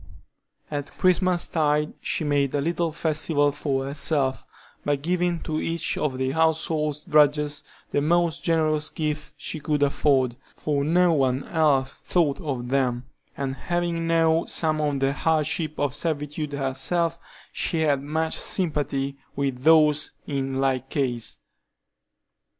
At Christmas tide she made a little festival for herself, by giving to each of the household drudges the most generous gift she could afford, for no one else thought of them, and having known some of the hardships of servitude herself, she had much sympathy with those in like case.